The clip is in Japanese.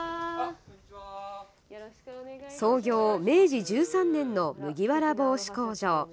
創業明治１３年の麦わら帽子工場。